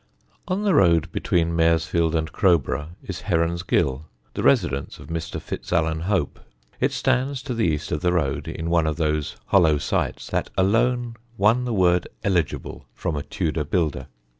On the road between Maresfield and Crowborough is Heron's Ghyll, the residence of Mr. Fitzalan Hope. It stands to the east of the road, in one of those hollow sites that alone won the word "eligible" from a Tudor builder.